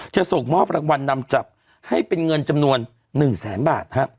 จะส่งมอบรางวัลนำจับให้เป็นเงินจำนวน๑แสนบาท